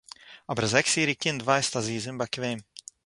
אָבער אַ זעקס-יעריג קינד ווייסט אַז זי איז אומבאַקוועם